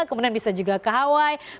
kemudian bisa juga ke hawaii